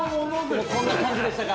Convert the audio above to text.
こんな感じでしたか。